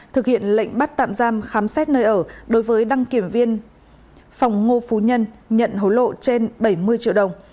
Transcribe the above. thực hiện lệnh bắt tạm giam khám xét nơi ở đối với đăng kiểm viên phòng ngô phú nhân nhận hối lộ trên bảy mươi triệu đồng